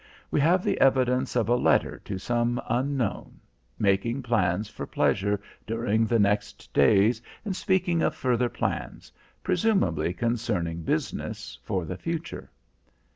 We have the evidence of a letter to some unknown, making plans for pleasure during the next days, and speaking of further plans, presumably concerning business, for the future.